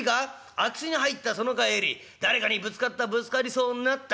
空き巣に入ったその帰り誰かにぶつかったぶつかりそうになった。